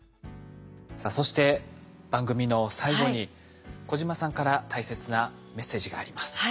さあそして番組の最後に小島さんから大切なメッセージがあります。